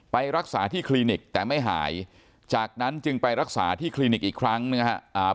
ไปรักษาที่คลินิกแต่ไม่หายจากนั้นจึงไปรักษาที่คลินิกอีกครั้งนะครับ